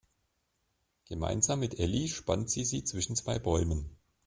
Gemeinsam mit Elli spannt sie sie zwischen zwei Bäumen.